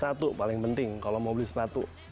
satu paling penting kalau mau beli sepatu